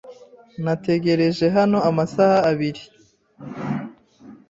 Nategereje hano amasaha abiri.